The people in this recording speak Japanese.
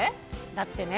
だってね。